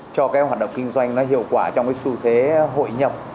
cho cái hoạt động kinh doanh nó hiệu quả trong cái xu thế hội nhập